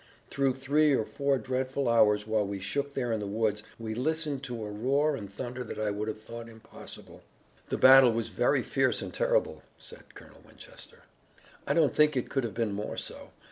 Through three or four dreadful hours, while we shook there in the woods, we listened to a roar and thunder that I would have thought impossible." "The battle was very fierce and terrible," said Colonel Winchester. "I don't think it could have been more so.